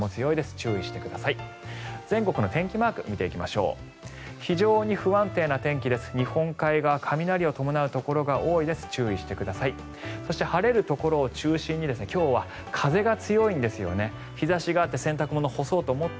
注意してください。